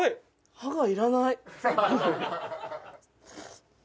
歯がいらない。